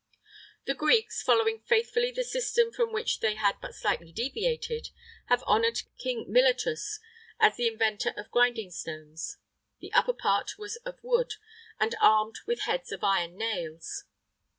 The Greeks, following faithfully the system from which they had but slightly deviated, have honoured King Miletus as the inventor of grinding stones;[III 16] the upper part was of wood, and armed with heads of iron nails.